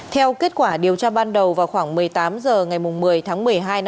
theo kết quả điều tra ban đầu vào khoảng một mươi tám h ngày một mươi tháng một mươi